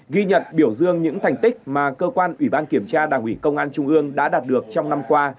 ghi nhận biểu dương những thành tích mà cơ quan ủy ban kiểm tra đảng ủy công an trung ương đã đạt được trong năm qua